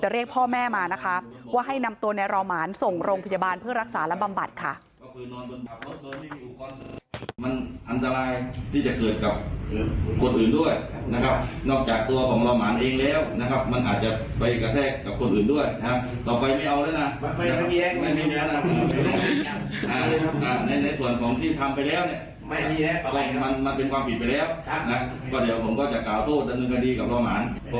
เรียกพ่อแม่มานะคะว่าให้นำตัวในรอหมานส่งโรงพยาบาลเพื่อรักษาและบำบัดค่ะ